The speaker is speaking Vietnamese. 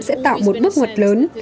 sẽ tạo một bước ngoặt lớn